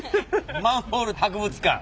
マンホール博物館？